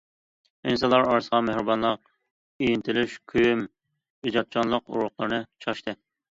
ئىنسانلار ئارىسىغا مېھرىبانلىق، ئىنتىلىش، كۆيۈم، ئىجادچانلىق ئۇرۇقلىرىنى چاچتى.